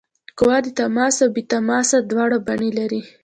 قوه د تماس او بې تماس دواړه بڼې لري.